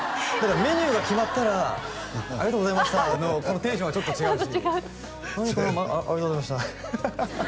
メニューが決まったら「ありがとうございました」のこのテンションがちょっと違うし「ありがとうございました」